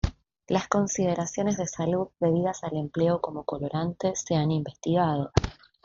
Las consideraciones de salud debidas al empleo como colorante se han investigado.